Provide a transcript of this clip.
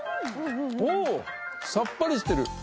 おおさっぱりしてる。